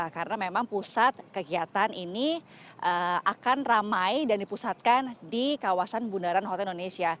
karena memang pusat kegiatan ini akan ramai dan dipusatkan di kawasan bundaran hotel indonesia